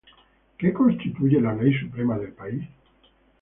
¿Qué constituye la ley suprema del país?